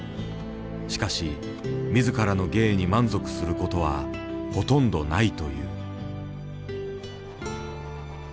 しかし自らの芸に満足することはほとんどないという。